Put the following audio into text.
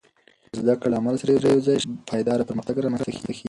که زده کړه له عمل سره یوځای شي، پایدار پرمختګ رامنځته کېږي.